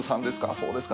そうですか。